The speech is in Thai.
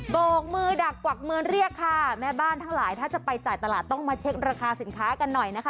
โกกมือดักกวักมือเรียกค่ะแม่บ้านทั้งหลายถ้าจะไปจ่ายตลาดต้องมาเช็คราคาสินค้ากันหน่อยนะคะ